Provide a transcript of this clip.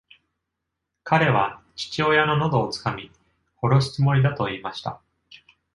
彼は父親の喉をつかみ、殺すつもりだと言いました。